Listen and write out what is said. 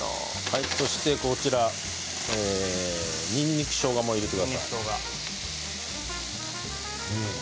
そして、こちらにんにく、しょうがも入れてください。